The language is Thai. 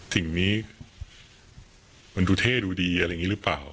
สิ่งนี้มันดูเท่ดูดีอะไรอย่างนี้หรือเปล่า